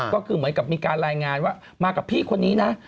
ก็คือเหมือนกับมีการรายงานว่ามากับพี่คนนี้นะ